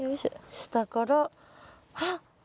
下からあっ！